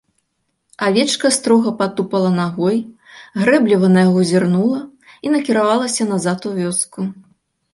Авечка строга патупала нагой, грэбліва на яго зірнула і накіравалася назад у вёску.